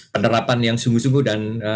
penerapan yang sungguh sungguh dan